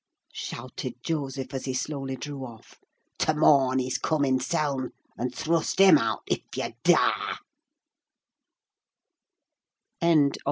shouted Joseph, as he slowly drew off. "To morn, he's come hisseln, and thrust him out, if ye darr!"